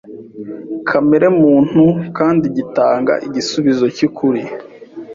kamere muntu kandi gitanga igisubizo cy’ukuri